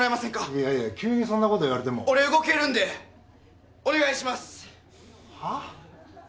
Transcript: いやいや急にそんなこと言われても俺動けるんでお願いしますはぁ？